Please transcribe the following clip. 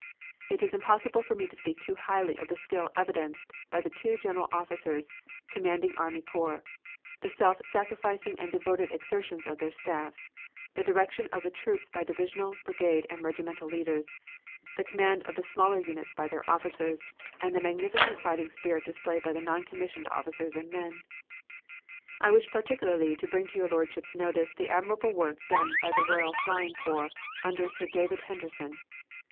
"It is impossible for me to speak too highly of the skill evinced by the two general officers commanding army corps; the self sacrificing and devoted exertions of their staffs; the direction of the troops by divisional, brigade, and regimental leaders; the command of the smaller units by their officers; and the magnificent fighting spirit displayed by non commissioned officers and men. "I wish particularly to bring to your Lordship's notice the admirable work done by the Royal Flying Corps under Sir David Henderson.